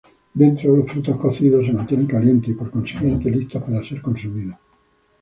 Dentro, los frutos cocidos se mantienen calientes, y por consiguiente, listos para ser consumidos.